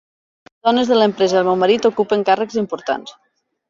Les dones de l'empresa del meu marit ocupen càrrecs importants.